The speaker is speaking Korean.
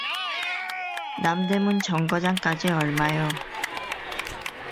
남대문 정거장까지 얼마요.